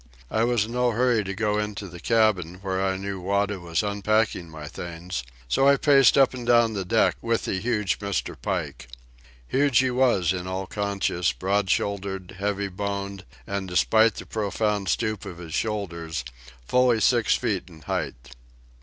I was in no hurry to go into the cabin, where I knew Wada was unpacking my things, so I paced up and down the deck with the huge Mr. Pike. Huge he was in all conscience, broad shouldered, heavy boned, and, despite the profound stoop of his shoulders, fully six feet in height.